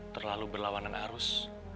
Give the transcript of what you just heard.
terlalu berlawanan arus